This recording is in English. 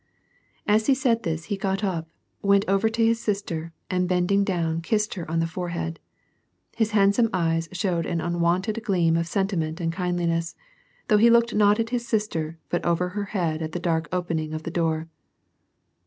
As he said this, he got up, went over to his sister, and bend ing down, kissed her on the forehead. His handsome eyes showed an unwonted gleam of sentiment and kindliness, though he looked not at his sister, but over her head at the dark opening of the door.